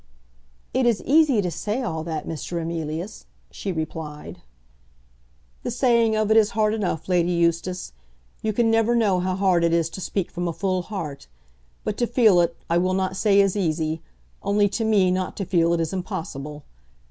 "It is easy to say all that, Mr. Emilius," she replied. "The saying of it is hard enough, Lady Eustace. You can never know how hard it is to speak from a full heart. But to feel it, I will not say is easy; only to me, not to feel it is impossible.